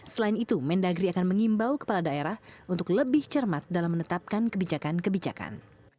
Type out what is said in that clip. selain itu mendagri akan mengimbau kepala daerah untuk lebih cermat dalam menetapkan kebijakan kebijakan